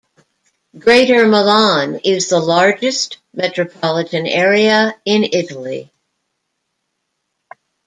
Greater Milan is the largest Metropolitan Area in Italy.